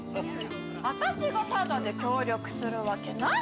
私がタダで協力するわけないだろ。